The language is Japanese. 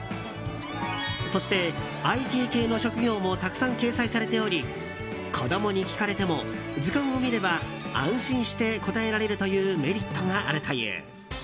そして、ＩＴ系の職業もたくさん掲載されており子供に聞かれても、図鑑を見れば安心して答えられるというメリットがあるという。